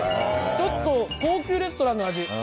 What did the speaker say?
ちょっと高級レストランの味。